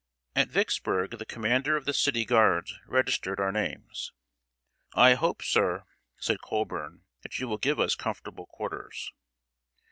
At Vicksburg, the commander of the City Guards registered our names. "I hope, sir," said Colburn, "that you will give us comfortable quarters."